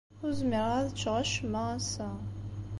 Ur zmireɣ ara ad ččeɣ acemma ass-a.